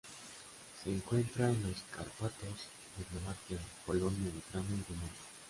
Se encuentra en los Cárpatos de Eslovaquia, Polonia, Ucrania y Rumanía.